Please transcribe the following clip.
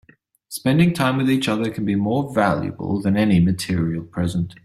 Spending time with each other can be more valuable than any material present.